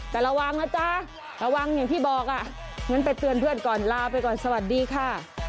แต่ระวังนะจ๊ะระวังอย่างที่บอกอ่ะงั้นไปเตือนเพื่อนก่อนลาไปก่อนสวัสดีค่ะ